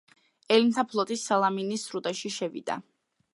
ელინთა ფლოტი სალამინის სრუტეში შევიდა.